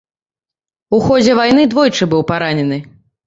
У ходзе вайны двойчы быў паранены.